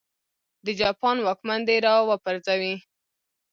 د جاپان واکمن دې را وپرځوي.